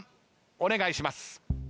お願いします。